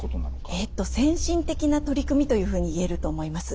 えと先進的な取り組みというふうに言えると思います。